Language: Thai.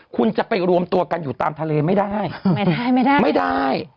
คุณจะไปรวมตัวกันอยู่ตามทะเลไม่ได้ไม่ได้